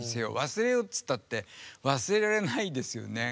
忘れようっつったって忘れられないですよね。